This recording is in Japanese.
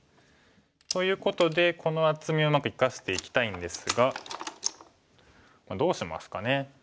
ということでこの厚みをうまく生かしていきたいんですがどうしますかね。